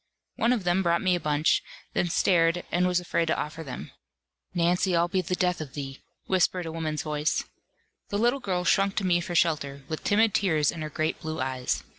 One of them brought me a bunch, then stared, and was afraid to offer them. "Nancy, I'll be the death of thee," whispered a woman's voice. The little girl shrunk to me for shelter, with timid tears in her great blue eyes.